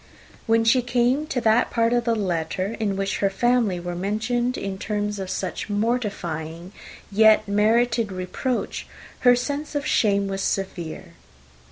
When she came to that part of the letter in which her family were mentioned, in tones of such mortifying, yet merited, reproach, her sense of shame was severe.